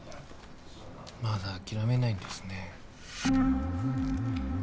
まだ諦めないんですね